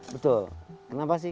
betul kenapa sih